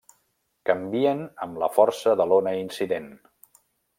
Canvien amb la força de l’ona incident.